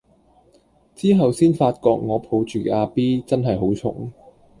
之後先發覺我抱住嘅阿 B 真係好重